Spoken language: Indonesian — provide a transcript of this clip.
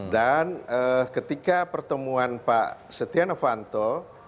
dan ketika pertemuan pak setia novanto